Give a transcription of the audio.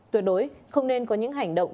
tuyệt đối không nên có những hành động